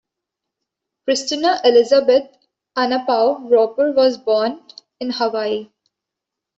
Kristina Elizabeth Anapau Roper was born in Hawaii.